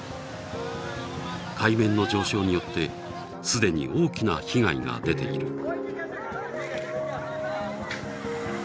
海面の上昇によって既に大きな被害が出ている。